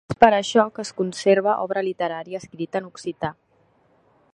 És per això que es conserva obra literària escrita en occità.